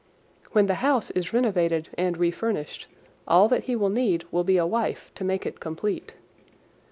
When the house is renovated and refurnished, all that he will need will be a wife to make it complete.